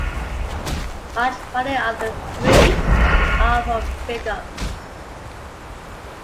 Large variety of the fruits are from "Ficus".